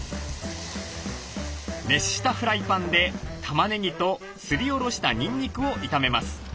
熱したフライパンでたまねぎとすりおろしたニンニクを炒めます。